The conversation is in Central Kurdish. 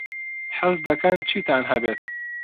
حەز دەکەن چیتان هەبێت؟